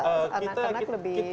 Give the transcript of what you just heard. menurut anda anak anak lebih optimis